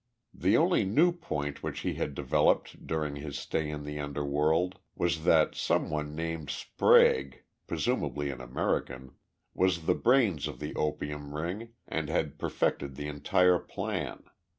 The only new point which he had developed during his stay in the underworld was that some one named Sprague, presumably an American, was the brains of the opium ring and had perfected the entire plan.